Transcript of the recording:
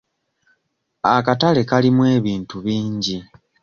Akatale kalimu ebintu bingi.